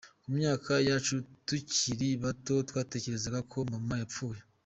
Ku myaka yacu tukiri bato, twatekerezaga ko mama yapfuye.